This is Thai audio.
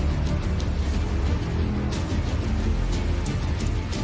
ตะดีอย่างนี้เลยอ่ะ